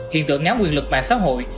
hiện tượng ngáo quyền lực mạng xã hội